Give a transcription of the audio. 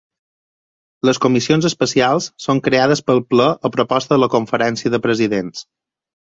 Les comissions especials són creades pel ple a proposta de la Conferència de Presidents.